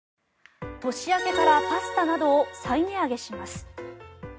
年明けからパスタなどを再値上げします。